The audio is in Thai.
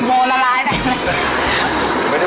โมลลายแบบนั้น